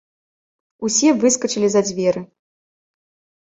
Усе выскачылі за дзверы.